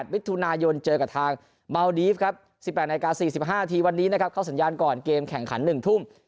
มิถุนายนเจอกับทางเมาดีฟครับ๑๘นาที๔๕นาทีวันนี้นะครับเข้าสัญญาณก่อนเกมแข่งขัน๑ทุ่ม